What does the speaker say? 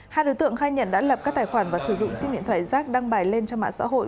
hai đối tượng khai nhận đã lập các tài khoản và sử dụng sim điện thoại rác đăng bài lên trong mạng xã hội